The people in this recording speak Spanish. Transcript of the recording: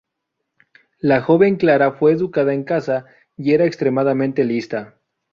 La joven Clara fue educada en casa y era extremamente lista.